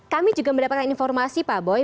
kami juga mendapatkan informasi pak boy